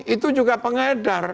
itu juga pengedar